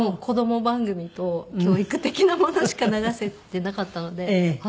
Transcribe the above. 子供番組と教育的なものしか流せてなかったので。